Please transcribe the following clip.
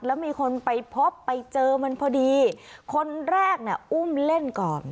แล้วมีคนไปพบไปเจอมันพอดีคนแรกเนี่ยอุ้มเล่นก่อน